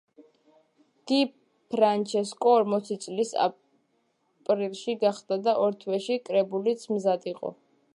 დი ფრანჩესკო ორმოცი წლის აპრილში გახდა და ორ თვეში კრებულიც მზად იყო.